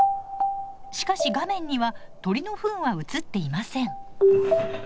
しかし画面には鳥のふんは映っていません。